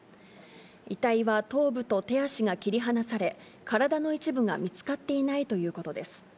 遺体は頭部と手足が切り離され、体の一部が見つかっていないということです。